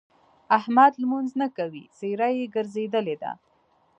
احمد لمونځ نه کوي؛ څېره يې ګرځېدلې ده.